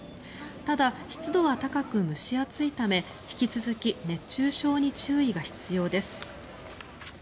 ただ、湿度は高く蒸し暑いため引き続き熱中症に注意が必要です。